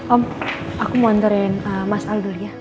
om aku mau ntarin mas aldo ya